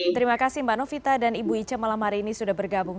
terima kasih mbak novita dan ibu ica malam hari ini sudah bergabung